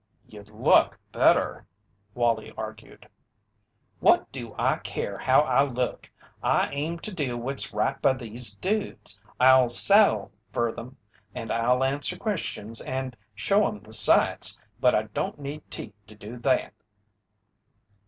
"You'd look better," Wallie argued. "What do I care how I look! I aim to do what's right by these dudes: I'll saddle fer 'em, and I'll answer questions, and show 'em the sights, but I don't need teeth to do that."